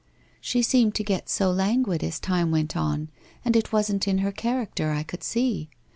She seemed to get so languid as time went on and it wasn't in her character, I could see.